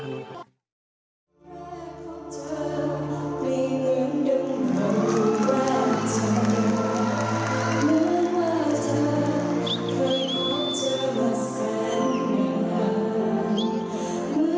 เหมือนคนรอได้เจอ